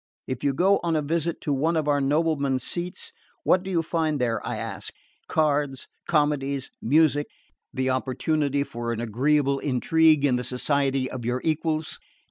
If you go on a visit to one of our noblemen's seats, what do you find there, I ask? Cards, comedies, music, the opportunity for an agreeable intrigue in the society of your equals?